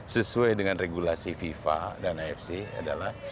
sesuai dengan regulasi fifa dan afc adalah